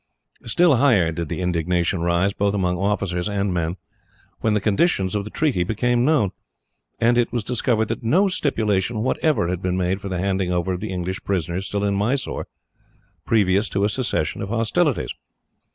Still higher did the indignation rise, both among officers and men, when the conditions of the treaty became known, and it was discovered that no stipulation whatever had been made for the handing over of the English prisoners still in Mysore, previous to a cessation of hostilities.